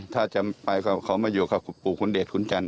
ถ้าจะไม่ไปก็เขามาอยู่พูดคุณเดชน์คุณจันทร์